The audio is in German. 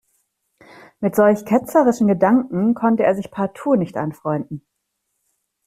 Mit solch ketzerischen Gedanken konnte er sich partout nicht anfreunden.